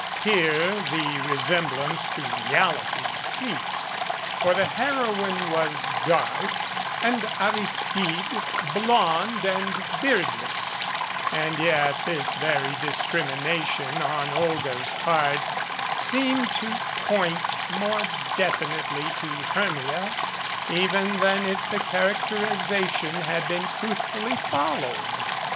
Here the resemblance to reality ceased, for the heroine was dark and Aristide blonde and beardless, and yet this very discrimination on Olga's part seemed to point more defi nitely to Hermia even than if the characterization had been truthfully followed.